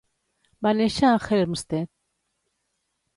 Va néixer a Helmstedt.